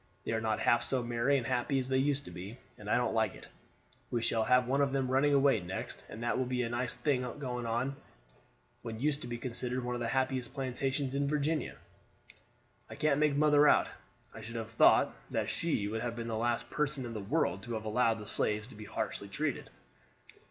They are not half so merry and happy as they used to be, and I don't like it. We shall have one of them running away next, and that will be a nice thing on what used to be considered one of the happiest plantations in Virginia. I can't make mother out; I should have thought that she would have been the last person in the world to have allowed the slaves to be harshly treated."